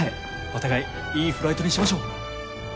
お互いいいフライトにしましょう！